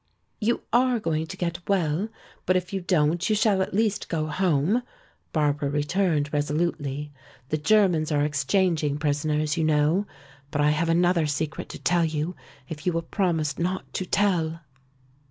"You are going to get well, but if you don't you shall at least go home," Barbara returned resolutely. "The Germans are exchanging prisoners, you know. But I have another secret to tell you if you will promise not to tell."